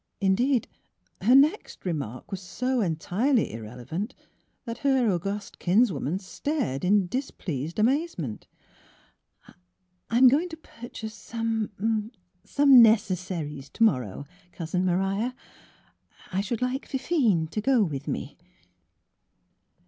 Indeed, her next remark was so entirely irrelevant that her august kinswoman stared in displeased amazement. '* I am going to purchase some — some necessaries to morrow. Cousin Maria ; I should like Fifine to go with me.''